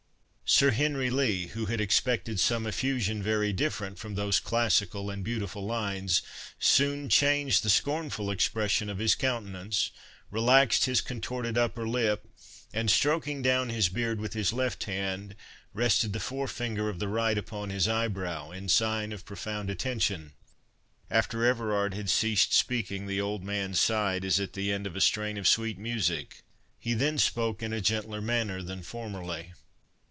Sir Henry Lee, who had expected some effusion very different from those classical and beautiful lines, soon changed the scornful expression of his countenance, relaxed his contorted upper lip, and, stroking down his beard with his left hand, rested the forefinger of the right upon his eyebrow, in sign of profound attention. After Everard had ceased speaking, the old man signed as at the end of a strain of sweet music. He then spoke in a gentler manner than formerly.